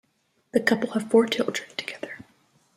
The couple have four children together.